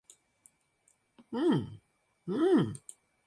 Era hijo de Tomás Herrero, natural de Madrid, y de Isabel Redondo, de Ciruelas.